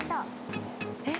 えっ？